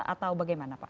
atau bagaimana pak